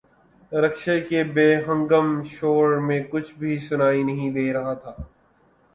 رکشے کے بے ہنگم شور میں کچھ بھی سنائی نہیں دے رہا تھا۔